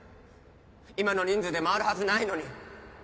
今の人数で回るはずないのに